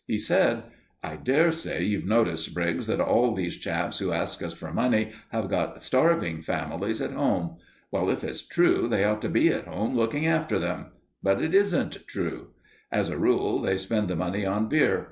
He said: "I dare say you've noticed, Briggs, that all these chaps who ask us for money have got starving families at home. Well, if it's true, they ought to be at home looking after them. But it isn't true. As a rule, they spend the money on beer.